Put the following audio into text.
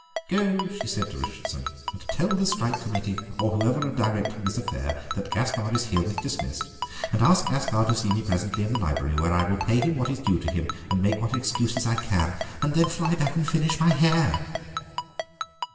"Go," she said to Richardson, "and tell the Strike Committee, or whoever are directing this affair, that Gaspare is herewith dismissed. And ask Gaspare to see me presently in the library, when I will pay him what is due to him and make what excuses I can; and then fly back and finish my hair."